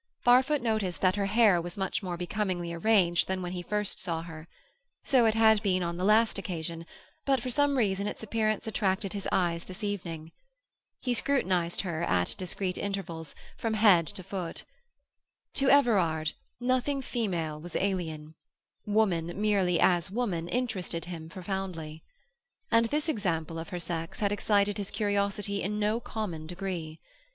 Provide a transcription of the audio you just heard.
Barfoot noticed that her hair was much more becomingly arranged than when he first saw her; so it had been on the last occasion, but for some reason its appearance attracted his eyes this evening. He scrutinized her, at discreet intervals, from head to foot. To Everard, nothing female was alien; woman, merely as woman, interested him profoundly. And this example of her sex had excited his curiosity in no common degree.